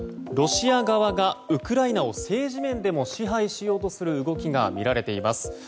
ロシア側がウクライナを政治面でも支配しようとする動きがみられています。